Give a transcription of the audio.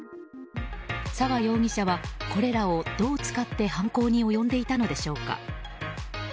沢容疑者はこれらをどう使って犯行に及んでいたのでしょうか。